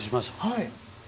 はい。